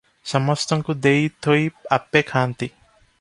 ସମସ୍ତଙ୍କୁ ଦେଇ ଥୋଇ ଆପେ ଖାଆନ୍ତି ।